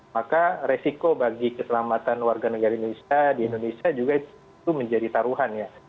maka resiko bagi keselamatan warga negara indonesia di indonesia juga itu menjadi taruhan ya